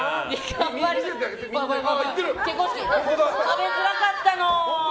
食べづらかったの。